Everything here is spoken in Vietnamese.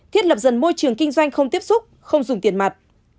thiết lập dần môi trường kinh doanh không tiếp xúc không dùng tiền mặt